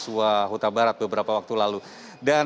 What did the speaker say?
bersama ferdis sambo terkait tewasnya brigadir yodan